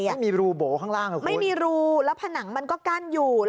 ไม่มีรูโบข้างล่างหรอกไม่มีรูแล้วผนังมันก็กั้นอยู่